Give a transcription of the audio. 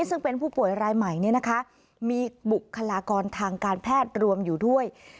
ซึ่งเป็นผู้ป่วยรายใหม่มีบุคลากรทางการแพทย์รวมอยู่ด้วย